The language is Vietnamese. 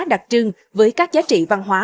đặc trưng với các giá trị văn hóa